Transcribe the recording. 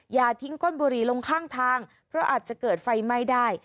อย่าทิ้งก้นบุหรี่ลงข้างทางเพราะอาจจะเกิดไฟไหม้ได้